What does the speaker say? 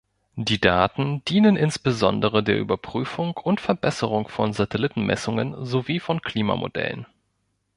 Die Daten dienen insbesondere der Überprüfung und Verbesserung von Satellitenmessungen sowie von Klimamodellen.